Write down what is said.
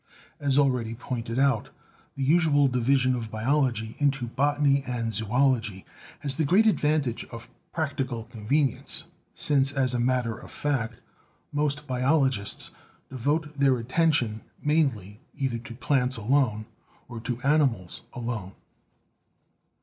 As already pointed out, the usual division of biology into botany and zoology has the great advantage of practical convenience, since, as a matter of fact, most biologists devote their attention mainly either to plants alone, or to animals alone.